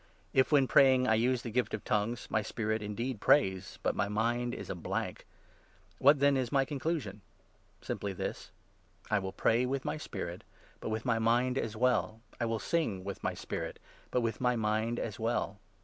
If, when praying, I use the gift of 'tongues,' my spirit 14 indeed prays, but my mind is a blank. What, then, is my con 15 elusion ? Simply this — I will pray with my spirit, but with my mind as well ; I will sing with my spirit, but with my mind as well.